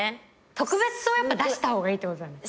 特別はやっぱ出した方がいいってことだよね。